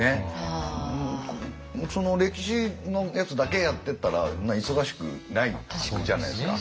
歴史のやつだけやってったらそんな忙しくないじゃないですか。